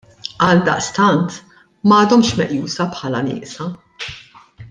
Għaldaqstant m'għadhomx meqjusa bħala nieqsa.